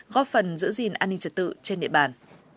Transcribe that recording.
góp phần giữ gìn an ninh trật tự trên địa bàn